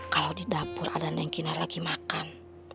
kalau di dapur ada neng kinar lagi makan